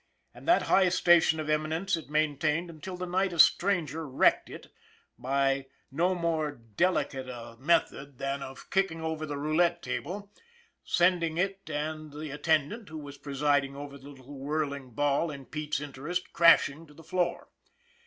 And that high station of eminence it maintained until the night a stranger wrecked it by no more delicate a 3*3 '324 ON THE IRON AT BIG CLOUD method than that of kicking over the roulette table, sending it and the attendant, who was presiding over the little whirling ball in Pete's interest, crashing to the floor.